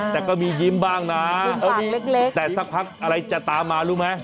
แต่ก็มียิ้มบ้างนะแต่สักพักอะไรจะตามมารู้ไหม